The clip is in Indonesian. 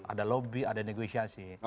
ada lobby ada negosiasi